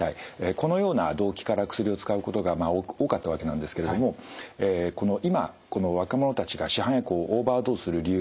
このような動機から薬を使うことが多かったわけなんですけれどもこの今若者たちが市販薬をオーバードーズする理由